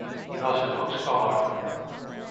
He was a good scholar.